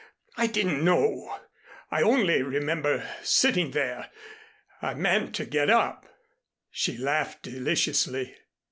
I didn't know. I only remember sitting there. I meant to get up " She laughed deliciously.